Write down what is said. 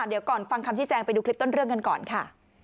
เดี๋ยวก่อนฟังคำชี้แจงไปดูคลิปต้นเรื่องกันก่อนค่ะ